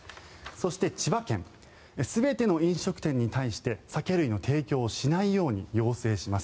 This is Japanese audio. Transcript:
そして千葉県全ての飲食店に対して酒類の提供をしないように要請します。